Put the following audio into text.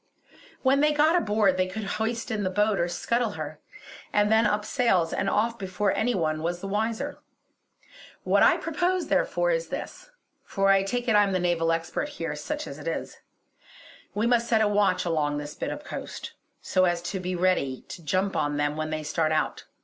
When they got aboard they could hoist in the boat or scuttle her; and then, up sails and off before any one was the wiser. What I propose, therefore, is this, for I take it I'm the naval expert here such as it is. We must set a watch along this bit of coast, so as to be ready to jump on them when they start out.